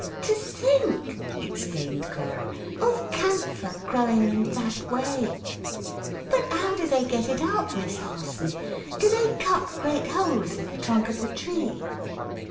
"To think," exclaimed Clara, "of camphor growing in that way! But how do they get it out, Miss Harson? Do they cut great holes in the trunk of the tree?"